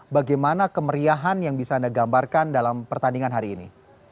bagaimana kemeriahan yang bisa anda gambarkan dalam pertandingan hari ini